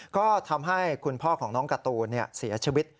ก็ทำให้คุณพ่อของน้องการ์ตูนเสียชีวิต